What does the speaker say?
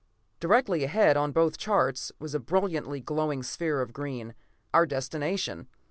Directly ahead, on both charts, was a brilliantly glowing sphere of green our destination.